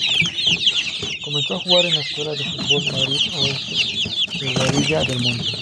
Comenzó a jugar en la Escuela de Fútbol Madrid Oeste de Boadilla del Monte.